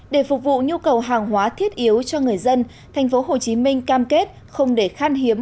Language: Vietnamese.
để phục vụ nhu cầu hàng hóa thiết yếu cho người dân thành phố hồ chí minh cam kết không để khan hiếm